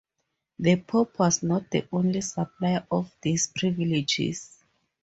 The pope was not the only supplier of these privileges.